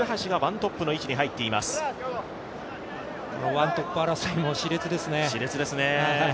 ワントップ争いもし烈ですね。